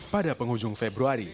pada penghujung februari